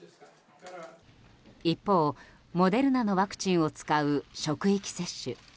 一方、モデルナのワクチンを使う職域接種。